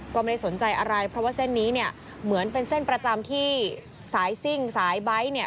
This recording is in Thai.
ก็ไม่ได้สนใจอะไรเพราะว่าเส้นนี้เนี่ยเหมือนเป็นเส้นประจำที่สายซิ่งสายไบท์เนี่ย